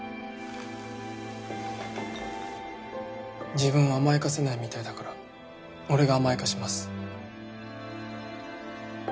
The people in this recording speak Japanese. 自分を甘やかせないみたいだから俺が甘やかします。